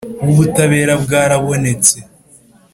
w ubutabera bwarabonetse